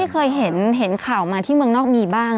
เคยเห็นข่าวมาที่เมืองนอกมีบ้าง